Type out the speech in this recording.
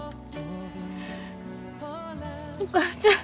お母ちゃん。